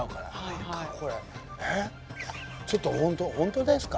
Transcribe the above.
何かこれ、ちょっと本当ですか？